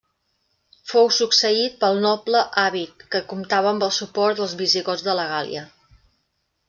Fou succeït pel noble Avit, que comptava amb el suport dels visigots de la Gàl·lia.